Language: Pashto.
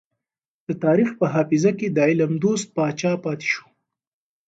د تاريخ په حافظه کې د علم دوست پاچا پاتې شو.